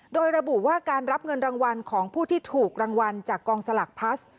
โดยระบุว่าการรับเงินรางวัลของผู้ที่ถูกรางวัลจากกองสลักพลัส